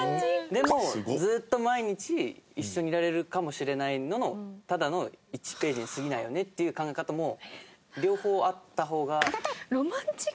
でもずっと毎日一緒にいられるかもしれないのただの１ページに過ぎないよねっていう考え方も両方あった方が。